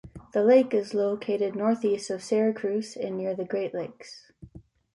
The lake is located northeast of Syracuse and near the Great Lakes.